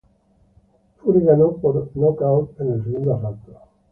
Fury ganó por nocaut en el segundo asalto.